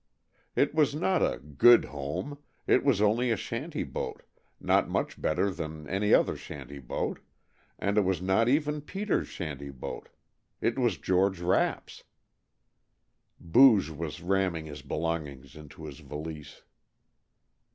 It was not a "good home," it was only a shanty boat, not much better than any other shanty boat, and it was not even Peter's shanty boat. It was George Rapp's. Booge was ramming his belongings into his valise.